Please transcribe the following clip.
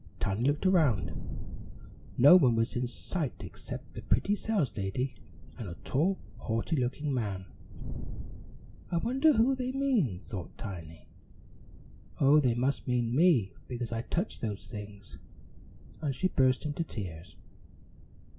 Tiny looked around. No one was in sight except the pretty saleslady and a tall, haughty looking man. "I wonder who they mean?" thought Tiny. "Oh, they must mean me because I touched those things," and she burst into tears.